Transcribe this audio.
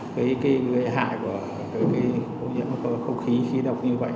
cái hại của những không khí khí độc như vậy